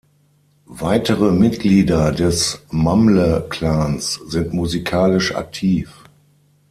Weitere Mitglieder des Mamle-Clans sind musikalisch aktiv.